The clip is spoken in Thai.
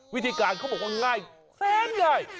วิธีการเขาบอกว่าง่ายแสนง่าย